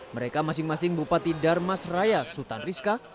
mereka masing masing bupati darmas raya sultan rizka